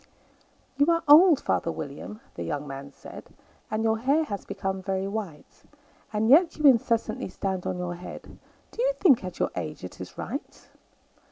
"YOU are old, father William," the young man said, "And your hair has become very white; And yet you incessantly stand on your head Do you think, at your age, it is right?